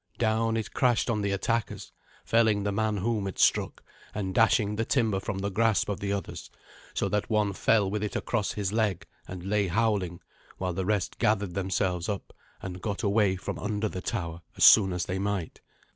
Down is crashed on the attackers, felling the man whom it struck, and dashing the timber from the grasp of the others, so that one fell with it across his leg and lay howling, while the rest gathered themselves up and got away from under the tower as soon as they might.